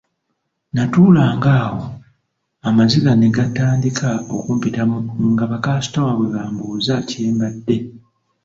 Natuulanga awo amaziga ne gatandika okumpitamu nga ba kaasitoma bwe bambuuza kye mbadde.